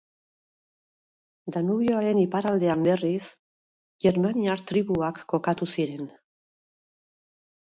Danubioren iparraldean, berriz, germaniar tribuak kokatu ziren.